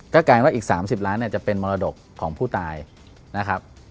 ก็กลายว่าอีก๓๐ล้านเนี่ยจะเป็นมรดกของผู้ตายนะครับ